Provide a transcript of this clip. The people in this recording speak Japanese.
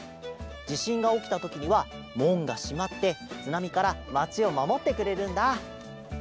じしんがおきたときにはもんがしまってつなみからまちをまもってくれるんだ。